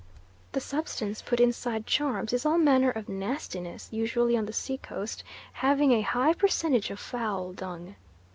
The substance put inside charms is all manner of nastiness, usually on the sea coast having a high percentage of fowl dung.